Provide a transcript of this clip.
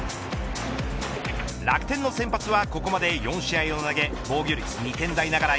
楽天の先発はここまで４試合を投げ防御率２点台ながら